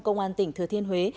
công an tỉnh thừa thiên huế